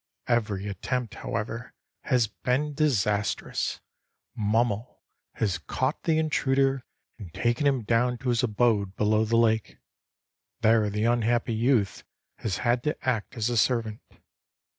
Every attempt, however, has been disastrous. Mummel has caught the intruder and taken him down to his abode below the lake. There the unhappy youth has had to act as a servant.